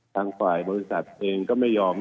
ทางฝ่ายบริษัทเองก็ไม่ยอม